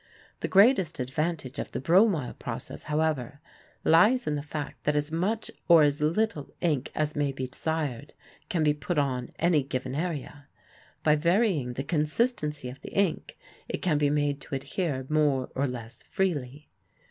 The greatest advantage of the bromoil process, however, lies in the fact that as much or as little ink as may be desired can be put on any given area. By varying the consistency of the ink it can be made to adhere more or less freely.